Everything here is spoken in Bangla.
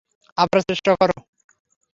আবার চেষ্টা কর।